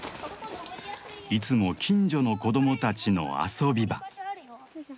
いつも近所の子供たちの遊び場。